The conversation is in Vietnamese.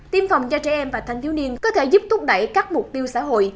tiêm phòng cho trẻ em và thanh thiếu niên có thể giúp thúc đẩy các mục tiêu xã hội